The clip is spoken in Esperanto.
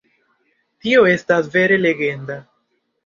Tio estas vere legenda!